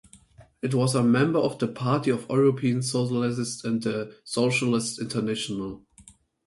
It was a member of the Party of European Socialists and the Socialist International.